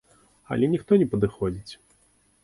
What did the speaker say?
Але ніхто не падыходзіць.